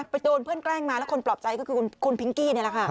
ไปโดนเพื่อนแกล้งมาแล้วคนปลอบใจก็คือคุณพิงกี้